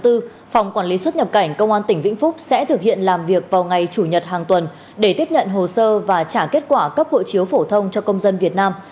tỉnh vĩnh phúc sẽ thực hiện làm việc vào ngày chủ nhật hàng tuần để tiếp nhận hồ sơ và trả kết quả cấp hộ chiếu phổ thông cho công dân việt nam